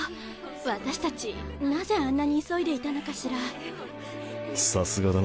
私たちなぜあんなに急いでいたのかしら？